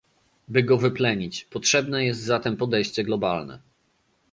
By go wyplenić, potrzebne jest zatem podejście globalne